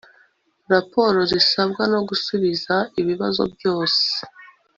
raporo zisabwa no gusubiza ibibazo byose